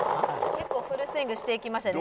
結構フルスイングしましたね。